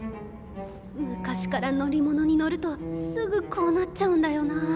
昔から乗り物に乗るとすぐこうなっちゃうんだよなあ。